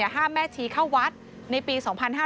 แม่ชีเข้าวัดในปี๒๕๕๙